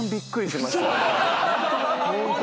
ホント？